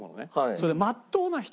それでまっとうな人。